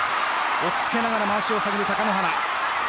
押っつけながらまわしを探る貴乃花。